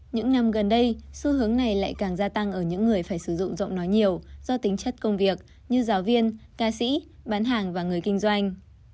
những năm gần đây xu hướng này lại càng gia tăng ở những người phải sử dụng giọng nói nhiều do tính chất công việc như giáo viên ca sĩ bán hàng và người kinh doanh